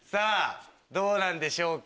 どうなんでしょうか？